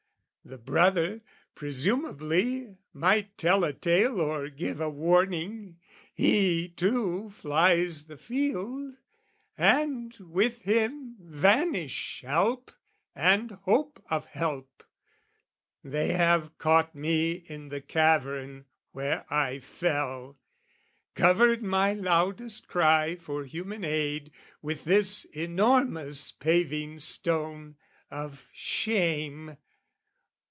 "The brother, presumably might tell a tale "Or give a warning, he, too, flies the field, "And with him vanish help and hope of help. "They have caught me in the cavern where I fell, "Covered my loudest cry for human aid "With this enormous paving stone of shame.